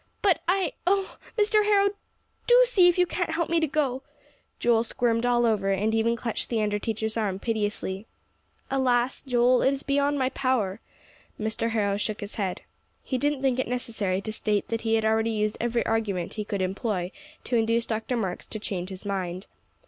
"But I oh, Mr. Harrow, do see if you can't help me to go." Joel squirmed all over, and even clutched the under teacher's arm piteously. "Alas, Joel! it is beyond my power." Mr. Harrow shook his head. He didn't think it necessary to state that he had already used every argument he could employ to induce Dr. Marks to change his mind.